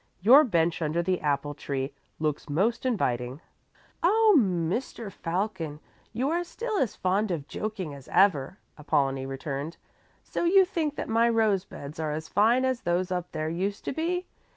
Your bench under the apple tree looks most inviting." "Oh, Mr. Falcon, you are still as fond of joking as ever," Apollonie returned. "So you think that my rose beds are as fine as those up there used to be?